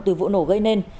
từ vụ nổ gây nên